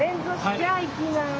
じゃあいきます。